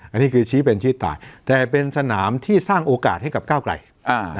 อันนี้คือชี้เป็นชี้ตายแต่เป็นสนามที่สร้างโอกาสให้กับก้าวไกลอ่า